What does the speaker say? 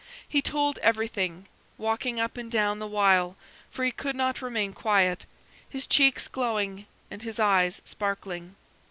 He told everything, walking up and down the while for he could not remain quiet his cheeks glowing and his eyes sparkling.